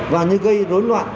và như gây rối loạn